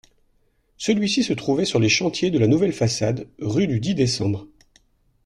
Celui-ci se trouvait sur les chantiers de la nouvelle façade, rue du Dix-Décembre.